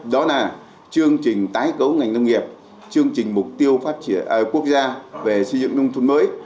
đó là chương trình tái cấu ngành nông nghiệp chương trình mục tiêu quốc gia về xây dựng nông thuận mới